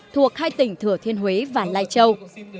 thuộc hai tỉnh thừa thiên huế và lai châu